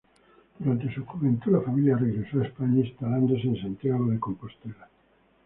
Durante su juventud, la familia regresó a España, instalándose en Santiago de Compostela.